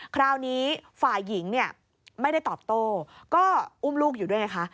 คราวนี้ฝ่ายหญิงเนี่ยไม่ได้ตอบโต้ก็อุ้มลูกอยู่ด้วยไงคะ